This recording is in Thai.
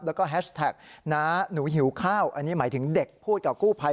แล้วก็แฮชแท็กน้าหนูหิวข้าวอันนี้หมายถึงเด็กพูดกับกู้ภัย